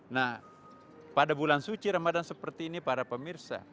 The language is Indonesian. nah pada bulan suci ramadan seperti ini para pemirsa